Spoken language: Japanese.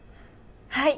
はい。